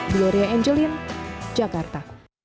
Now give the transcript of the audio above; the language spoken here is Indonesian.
gloria angelin jakarta